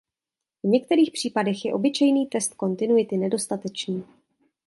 V některých případech je obyčejný test kontinuity nedostatečný.